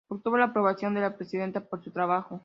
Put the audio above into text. Obtuvo la "aprobación" de la Presidenta por su trabajo.